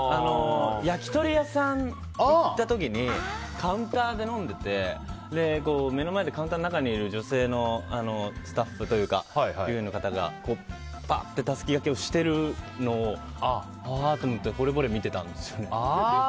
焼き鳥屋さん行った時にカウンターで飲んでて目の前でカウンターの中にいる女性のスタッフの方がパッと、たすき掛けしてるのをああと思ってほれぼれ見ていたんですよね。